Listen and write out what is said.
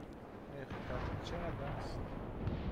نرخ تبدیل چقدر است؟